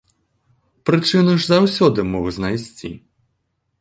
Прычыну ж заўсёды мог знайсці.